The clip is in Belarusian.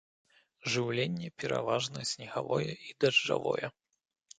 Жыўленне пераважна снегавое і дажджавое.